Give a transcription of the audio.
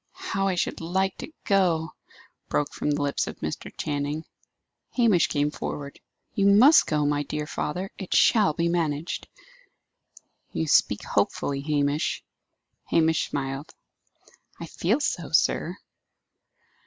"How I should like to go!" broke from the lips of Mr. Channing. Hamish came forward. "You must go, my dear father! It shall be managed." "You speak hopefully, Hamish." Hamish smiled. "I feel so, sir."